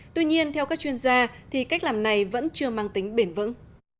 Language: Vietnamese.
tuy nhiên theo các chuyên gia thì cách làm này vẫn chưa mang tính bền vững